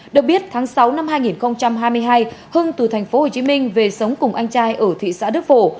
được biết tháng sáu năm hai nghìn hai mươi hai hưng từ tp hcm về sống cùng anh trai ở thị xã đức phổ